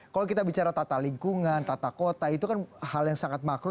kalau kita bicara tata lingkungan tata kota itu kan hal yang sangat makro